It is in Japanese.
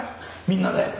みんなで。